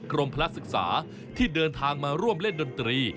พระศึกษาที่เดินทางมาร่วมเล่นดนตรี